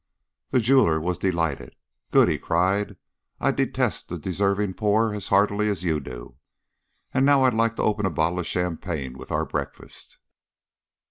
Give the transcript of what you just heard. The jeweler was delighted. "Good!" he cried. "I detest the deserving poor as heartily as you do. And now I'd like to open a bottle of champagne with our breakfast."